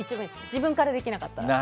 自分からできなかったら。